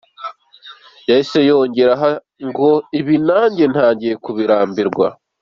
Yahise yongeraho ngo ibi nanjye ntagiye kubirambirwa.